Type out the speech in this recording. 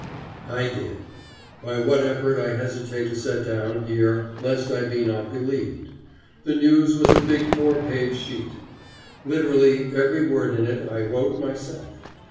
I did; by what effort I hesitate to set down here lest I be not believed. The News was a big four page sheet. Literally every word in it I wrote myself.